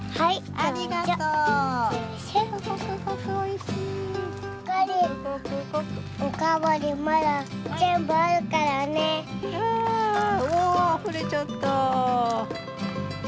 あおおあふれちゃった！